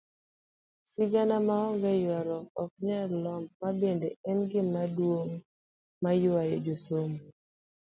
Sigana monge yuaruok okanyal lombo mabende en gima duong' mayuayo josomo.